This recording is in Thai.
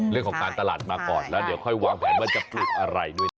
เรื่องของการตลาดมาก่อนแล้วเดี๋ยวค่อยวางแผนว่าจะปลูกอะไรด้วยกัน